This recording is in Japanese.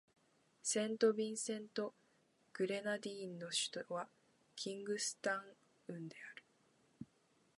セントビンセント・グレナディーンの首都はキングスタウンである